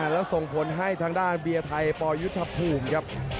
แล้วส่งผลให้ทางด้านเบียร์ไทยปยุทธภูมิครับ